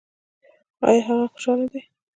ایا هغه خوشحاله دی؟